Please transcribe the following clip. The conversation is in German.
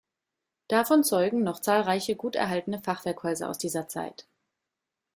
Davon zeugen noch zahlreiche gut erhaltene Fachwerkhäuser aus dieser Zeit.